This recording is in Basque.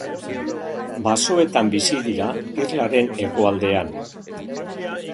Basoetan bizi dira irlaren hegoaldean.